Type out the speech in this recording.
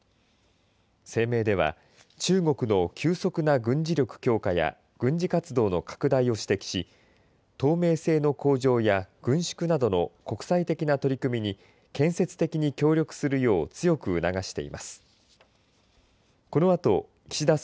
声明では、中国の急速な軍事力強化や軍事活動の拡大を指摘し透明性の向上や軍縮などの国際的な取り組みに建設的に協力するよう強く促しています。